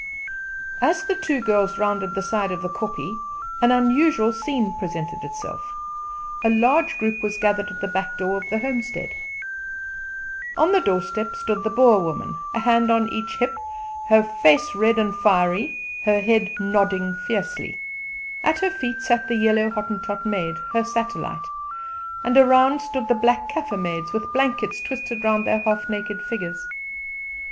As the two girls rounded the side of the kopje, an unusual scene presented itself. A large group was gathered at the back door of the homestead. On the doorstep stood the Boer woman, a hand on each hip, her face red and fiery, her head nodding fiercely. At her feet sat the yellow Hottentot maid, her satellite, and around stood the black Kaffer maids, with blankets twisted round their half naked figures.